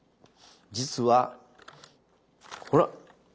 実はほら！